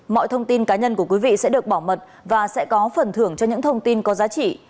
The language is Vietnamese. mọi thông tin cá nhân của quý vị sẽ được bảo mật và sẽ có phần thưởng cho những thông tin có giá trị